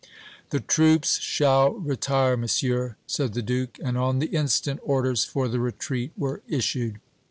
"The troops shall retire, Monsieur," said the Duke; and on the instant orders for the retreat were issued.